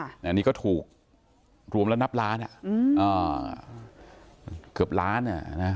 อันนี้ก็ถูกรวมแล้วนับล้านอ่ะอืมอ่าเกือบล้านอ่ะนะ